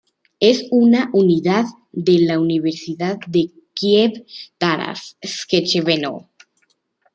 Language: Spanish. Es una unidad de la Universidad de Kiev Taras Shevchenko.